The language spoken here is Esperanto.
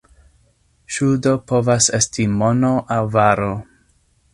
Ŝuldo povas esti mono aŭ varo.